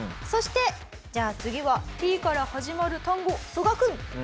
そしてじゃあ次はＴから始まる単語ソガ君！